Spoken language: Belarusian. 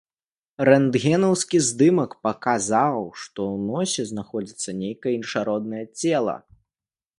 Рэнтгенаўскі здымак паказаў, што ў носе знаходзіцца нейкае іншароднае цела.